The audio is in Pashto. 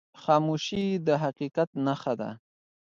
خاموشي، د حقیقت نښه ده.